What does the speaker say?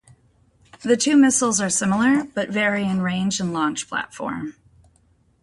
The two missiles are similar, but vary in range and launch platform.